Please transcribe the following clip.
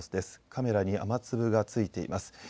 カメラに雨粒がついています。